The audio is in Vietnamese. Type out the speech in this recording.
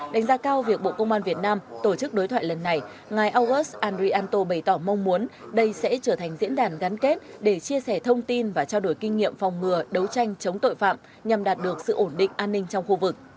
đánh giá cao việc bộ công an việt nam tổ chức đối thoại lần này ngài august andrianto bày tỏ mong muốn đây sẽ trở thành diễn đàn gắn kết để chia sẻ thông tin và trao đổi kinh nghiệm phòng ngừa đấu tranh chống tội phạm nhằm đạt được sự ổn định an ninh trong khu vực